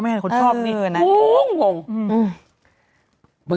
เขาชอบด้วยฟองน่ะ